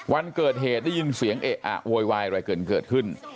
วันเกิดเหตุได้ยินเสียงเอะอะโวยวายอะไรเกิดขึ้น